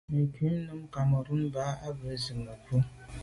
Mə̀ krú nǔm Cameroun mbá mə̀ ɑ̀' zí mə̀ bwɔ́.